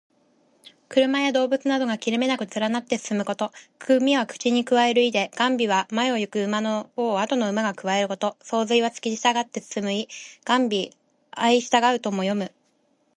車や動物などが切れ目なく連なって進むこと。「銜」は口にくわえる意で、「銜尾」は前を行く馬の尾をあとの馬がくわえること。「相随」はつきしたがって進む意。「銜尾相随う」とも読む。